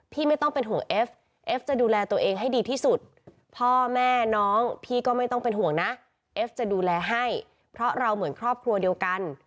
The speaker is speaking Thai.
ไม่ต้องเป็นห่วงเอฟเอฟจะดูแลตัวเองให้ดีที่สุดพ่อแม่น้องพี่ก็ไม่ต้องเป็นห่วงนะเอฟจะดูแลให้เพราะเราเหมือนครอบครัวเดียวกัน